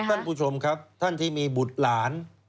ท่านผู้ชมครับท่านที่มีบุตรหลาน